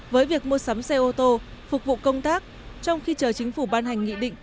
với việc mua sắm xe ô tô phục vụ công tác trong khi chờ chính phủ ban hành nghị định